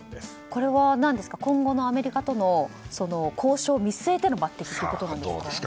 これは、今後のアメリカとの交渉を見据えての抜擢ということですか。